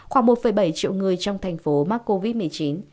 khoảng một bảy triệu người trong thành phố mắc covid một mươi chín